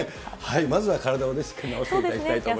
まずは体をしっかり治していただきたいと思います。